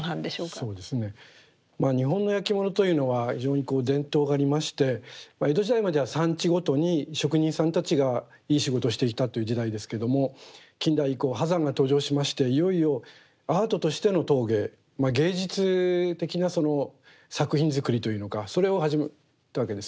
そうですね日本のやきものというのは非常に伝統がありまして江戸時代までは産地ごとに職人さんたちがいい仕事をしていたという時代ですけども近代以降波山が登場しましていよいよアートとしての陶芸芸術的な作品作りというのかそれを始めたわけです。